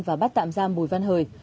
và bắt tạm giam bùi văn hời